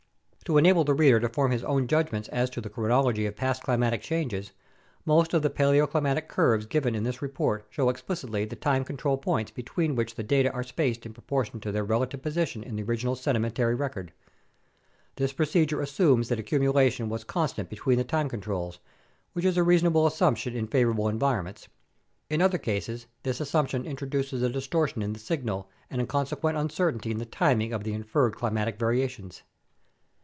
To enable the reader to form his own judgments as to the chronology of past climatic changes, most of the paleoclimatic curves given in this report show explicitly the time control points between which the data are spaced in proportion to their relative position in the original sedi mentary record. This procedure assumes that accumulation was con stant between the time controls, which is a reasonable assumption in favorable environments. In other cases this assumption introduces a distortion in the signal and a consequent uncertainty in the timing of the inferred climatic variations.